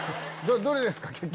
どれですか？